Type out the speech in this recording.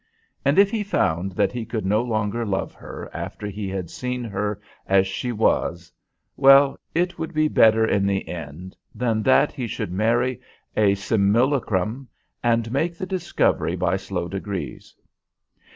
And if he found that he could no longer love her after he had seen her as she was, well, it would be better in the end than that he should marry a simulacrum and make the discovery by slow degrees.